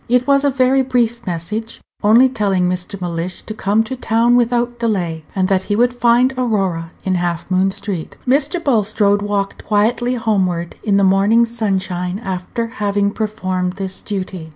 It was a very brief message, only telling Mr. Mellish to come to town without delay, and that he would find Aurora in Half Moon street. Mr. Bulstrode walked quietly homeward in the morning sunshine after having performed this duty.